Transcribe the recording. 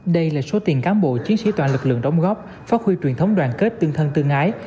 đây là số tiền cán bộ chiến sĩ toàn lực lượng đóng góp phát huy truyền thống đoàn kết tương thân tương ái